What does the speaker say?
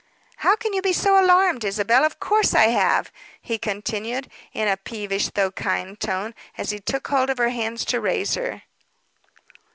"How can you be so alarmed, Isabel? Of course I have," he continued, in a peevish, though kind tone, as he took hold of her hands to raise her.